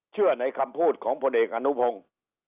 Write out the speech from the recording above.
เชื่อในคำพูดของพลเอกอนุพงศ์